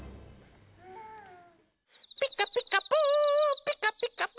「ピカピカブ！ピカピカブ！」